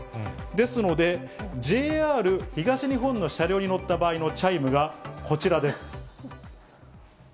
ですので、ＪＲ東日本の車両に乗った場合のチャイムがこちらです。